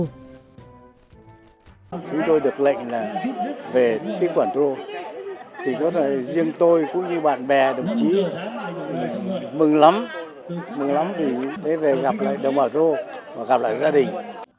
chúng tôi được lệnh là về tỉnh quảng thu thì có thể riêng tôi cũng như bạn bè đồng chí mừng lắm mừng lắm để về gặp lại đồng bào thu và gặp lại gia đình